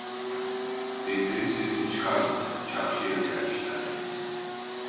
Bedri sesini çıkarmadı, çarşıya gelmişlerdi: